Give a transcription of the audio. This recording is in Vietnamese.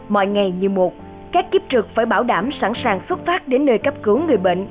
mọi ngày như một các kiếp trực phải bảo đảm sẵn sàng xuất phát đến nơi cấp cứu người bệnh